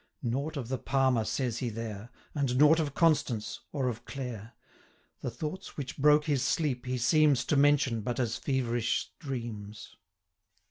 Nought of the Palmer says he there, And nought of Constance, or of Clare; 385 The thoughts, which broke his sleep, he seems To mention but as feverish dreams.